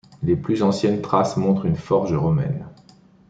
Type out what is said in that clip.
Les plus anciennes traces montrent une forge romaine.